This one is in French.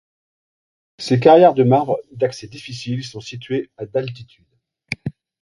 Ces carrières de marbre, d'accès difficile, sont situées à d'altitude.